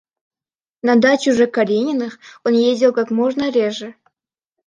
На дачу же Карениных он ездил как можно реже.